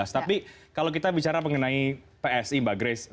tapi kalau kita bicara mengenai psi mbak grace